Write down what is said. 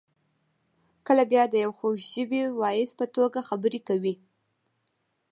کله بیا د یوې خوږ ژبې واعظ په توګه خبرې کوي.